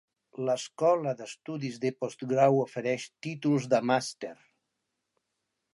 L'Escola d'estudis de postgrau ofereix títols de màster.